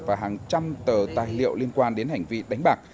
và hàng trăm tờ tài liệu liên quan đến hành vi đánh bạc